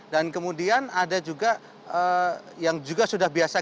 dan kemudian ada juga yang juga sudah biasa